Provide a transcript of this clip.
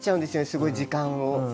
すごい時間を。